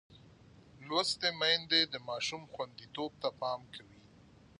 لوستې میندې د ماشوم خوندیتوب ته پام کوي.